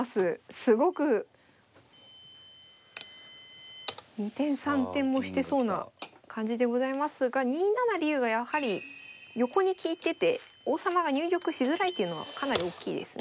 すごく二転三転もしてそうな感じでございますが２七竜がやはり横に利いてて王様が入玉しづらいというのはかなりおっきいですね。